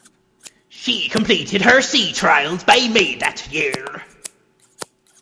She completed her sea trials by May that year.